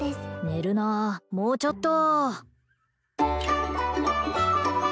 寝るなもうちょっと！